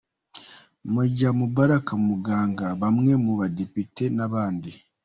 Major Mubaraka Muganga, bamwe mu badepite, n’abandi.